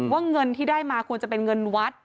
เงินที่ได้มาควรจะเป็นเงินวัด